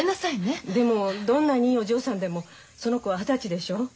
でもどんなにいいお嬢さんでもその子は二十歳でしょう。